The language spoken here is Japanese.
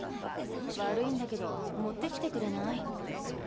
悪いんだけど持ってきてくれない？